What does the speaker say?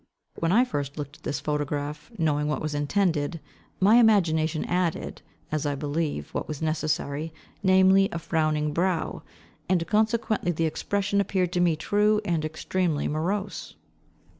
When I first looked at this photograph, knowing what was intended, my imagination added, as I believe, what was necessary, namely, a frowning brow; and consequently the expression appeared to me true and extremely morose.